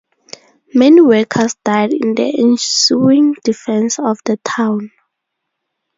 Many workers died in the ensuing defense of the town.